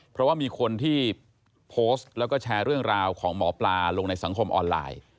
เพราะว่ามีคนที่โพสต์แล้วก็แชร์เรื่องราวของหมอปลาลงในสังคมออนไลน์